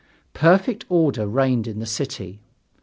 Perfect order reigned in the city.